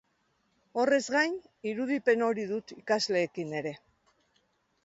Horrez gain, irudipen hori dut ikasleekin ere.